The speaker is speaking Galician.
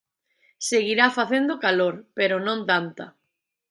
Seguirá facendo calor, pero non tanta.